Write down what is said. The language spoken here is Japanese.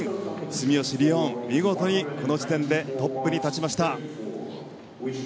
住吉りをん、見事にこの時点でトップに立ちました。